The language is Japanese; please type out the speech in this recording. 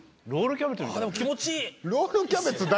でも気持ちいい！